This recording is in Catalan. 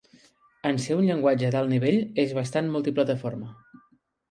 En ser un llenguatge d'alt nivell, és bastant multiplataforma.